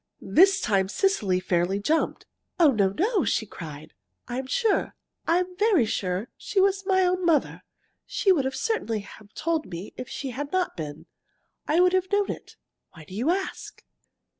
This time Cecily fairly jumped. "Oh, no, no!" she cried. "I'm sure, I'm very sure she was my own mother. She would certainly have told me if she had not been. I would have known it. Why do you ask?"